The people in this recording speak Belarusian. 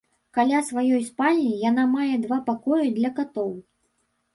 Каля сваёй спальні яна мае два пакоі для катоў.